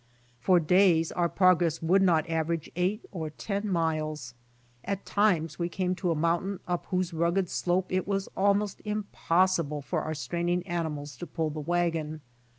For days our progress would not average eight or ten miles. At times we .came to a mountain up whose rugged slope it was almost impos sible for our straining animals to pull the Avagon.